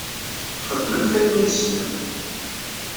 Xedmemt ayen i tessnemt.